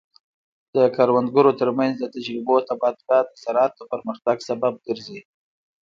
د کروندګرو ترمنځ د تجربو تبادله د زراعت د پرمختګ سبب ګرځي.